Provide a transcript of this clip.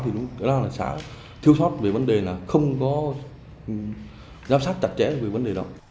thì nó đang là xã thiếu sót về vấn đề là không có giám sát chặt chẽ về vấn đề đó